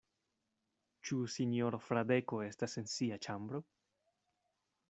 Ĉu sinjoro Fradeko estas en sia ĉambro?